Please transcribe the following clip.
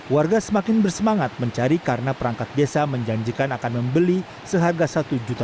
warga semakin bersemangat mencari karena perangkat desa menjanjikan akan membeli seharga rp satu